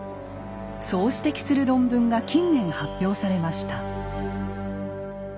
そう指摘する論文が近年発表されました。